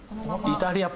イタリア。